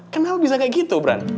kenapa bisa kayak gitu bran